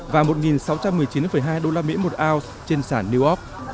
và một sáu trăm một mươi chín hai usd một ounce trên sản newark